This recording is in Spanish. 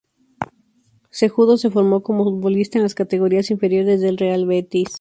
Cejudo se formó como futbolista en las categorías inferiores del Real Betis.